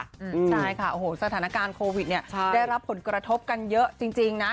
ใช่ค่ะสถานการณ์โควิดได้รับผลกระทบกันเยอะจริงนะ